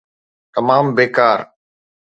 تمام بيڪار.